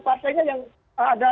partainya yang ada